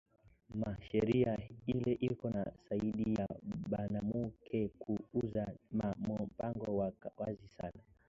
Ma sheria ile iko na saidiya banamuke ku uza ma npango ni wazi sana